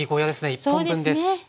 １本分です。